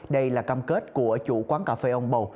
đây là cam kết của chủ quán cà phê ông bồ